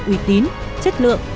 uy tín chất lượng